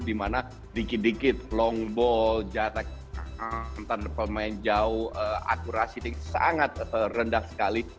dimana dikit dikit long ball jarak mantan pemain jauh akurasi sangat rendah sekali